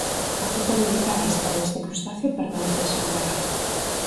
A frota dedicada a extraer este crustáceo permanece xa amarrada.